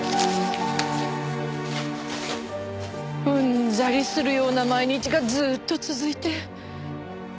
うんざりするような毎日がずっと続いて。